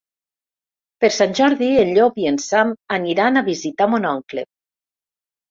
Per Sant Jordi en Llop i en Sam aniran a visitar mon oncle.